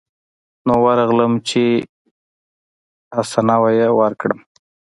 نو ورغلم چې حسنه يې ورکړم.